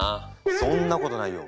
そんなことないよ。